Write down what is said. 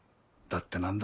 だって何ら。